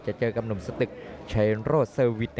จะเจอกับหนุ่มสตึกชัยโรดเซอร์วิส